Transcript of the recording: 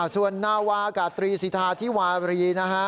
ส่วนนาวากาตรีสิทธาธิวารีนะฮะ